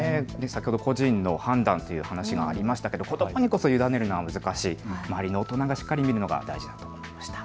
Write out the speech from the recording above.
先ほど個人の判断という話もありましたが子どもに委ねるのは難しい、周りの大人がしっかり見るのが大事だと思いました。